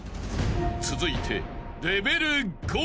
［続いて］